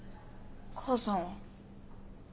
母さんは？